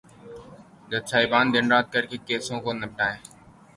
جج صاحبان دن رات کر کے کیسوں کو نمٹائیں۔